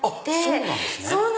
そうなんですね。